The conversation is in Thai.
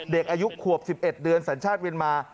เด็กอายุขวบ๑๑เดือนสัญชาติเมียนมา